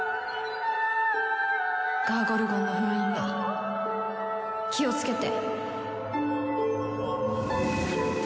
ガーゴルゴンの封印が気をつけて！